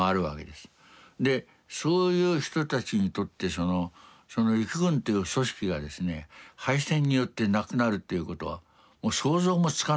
でそういう人たちにとって陸軍という組織がですね敗戦によってなくなるということはもう想像もつかないわけですね。